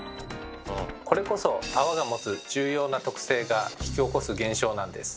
これこそ泡が持つ重要な特性が引き起こす現象なんです。